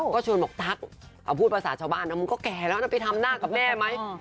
ก็ชวนบอกตั๊กเอาพูดภาษาชาวบ้านนะมึงก็แก่แล้วนะไปทำหน้ากับแม่ไหม